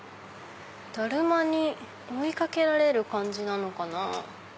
だるまに追いかけられる感じなのかな？